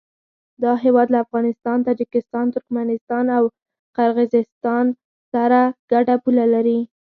دا هېواد له افغانستان، تاجکستان، ترکمنستان او قرغیزستان سره ګډه پوله لري.